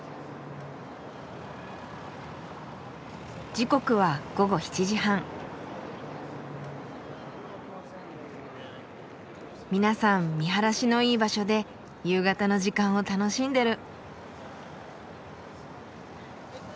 時刻は皆さん見晴らしのいい場所で夕方の時間を楽しんでる。